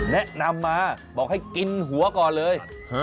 แนะนำมาบอกให้กินหัวก่อนเลย